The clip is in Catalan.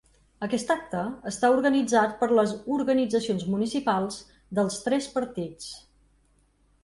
Aquest acte està organitzat per les organitzacions municipals dels tres partits.